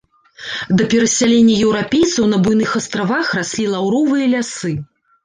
Да перасялення еўрапейцаў на буйных астравах раслі лаўровыя лясы.